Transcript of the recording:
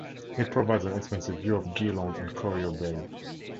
It provides an expansive view of Geelong and Corio Bay.